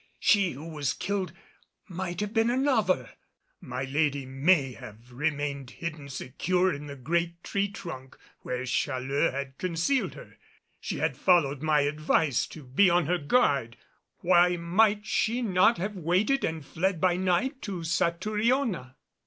She who was killed might have been another! My lady may have remained hidden secure in the great tree trunk where Challeux had concealed her! She had followed my advice to be on her guard; why might she not have waited and fled by night to Satouriona?